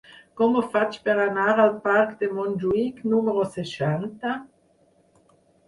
Com ho faig per anar al parc de Montjuïc número seixanta?